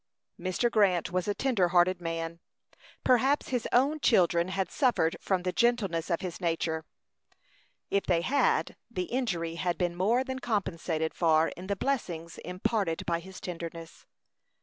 Mr. Grant was a tender hearted man. Perhaps his own children had suffered from the gentleness of his nature; if they had, the injury had been more than compensated for in the blessings imparted by his tenderness.